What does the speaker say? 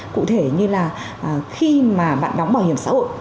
cụ thể như là khi mà bạn đóng bảo hiểm xã hội